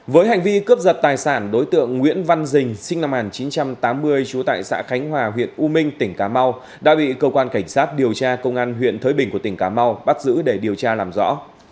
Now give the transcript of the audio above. với hành vi cướp giật tài sản đối tượng nguyễn văn dình sinh năm một nghìn chín trăm tám mươi trú tại xã khánh hòa huyện u minh tỉnh cà mau đã bị cơ quan cảnh sát điều tra công an huyện thới bình của tỉnh cà mau bắt giữ để điều tra làm rõ